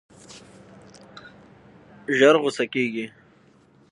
ژر غوسه کېږي.